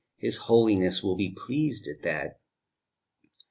"His Holiness will be pleased at that."